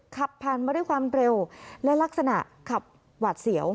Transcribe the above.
ขับผ่านมาด้วยความเร็วและลักษณะขับหวาดเสียว